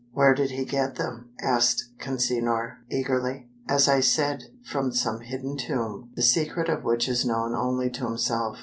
"Where did he get them?" asked Consinor, eagerly. "As I said, from some hidden tomb, the secret of which is known only to himself."